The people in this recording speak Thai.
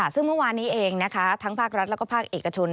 ซึ่งเมื่อวานนี้เองนะคะทั้งภาครัฐและภาคเอกชน